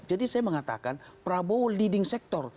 jadi saya mengatakan prabowo leading sector